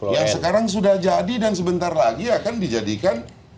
yang sekarang sudah jadi dan sebentar lagi akan dijadikan